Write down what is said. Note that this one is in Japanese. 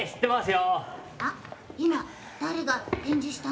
今誰が返事したの？